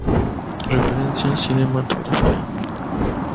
Referencia: Cinematografía.